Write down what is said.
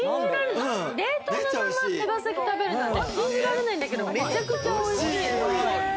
冷凍のまま手羽先食べるなんて信じられないんだけれど、めちゃくちゃおいしい。